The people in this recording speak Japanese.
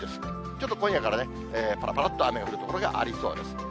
ちょっと今夜からね、ぱらぱらっと雨が降る所がありそうです。